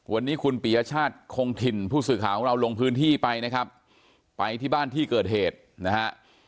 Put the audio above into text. วันนี้คุณปียชาติคงถิ่นผู้สื่อข่าวของเราลงพื้นที่ไปนะครับไปที่บ้านที่เกิดเหตุนะฮะ